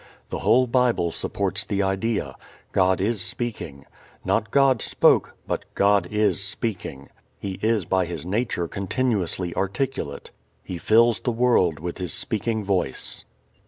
The whole Bible supports the idea. God is speaking. Not God spoke, but God is speaking. He is by His nature continuously articulate. He fills the world with His speaking Voice.